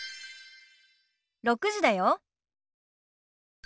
６時だよ。